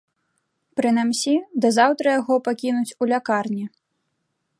Прынамсі, да заўтра яго пакінуць у лякарні.